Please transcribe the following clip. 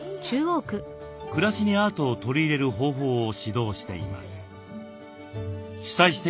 暮らしにアートを取り入れる方法を指導しています。